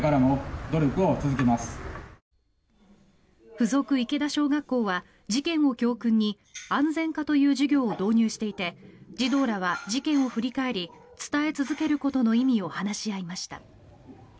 付属池田小学校は事件を教訓に安全科という授業を導入していて児童らは事件を振り返り伝え続けることの意味を話し合いました。